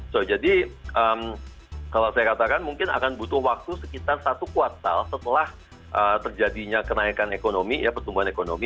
so jadi kalau saya katakan mungkin akan butuh waktu sekitar satu kuartal setelah terjadinya kenaikan ekonomi ya pertumbuhan ekonomi